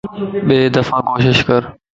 ٻي دفع ڪوشش ڪر